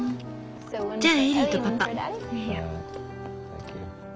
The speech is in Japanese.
じゃあエリーとパパ。